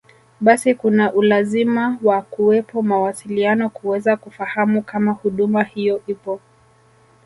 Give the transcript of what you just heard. Basi kuna ulazima wa kuwepo mawasiliano kuweza kufahamu kama huduma hiyo ipo